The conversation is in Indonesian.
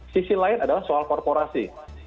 sisi lain adalah soal korporasi